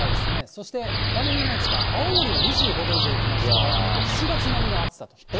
そして画面にないんですが、青森も２５度以上いきまして、７月？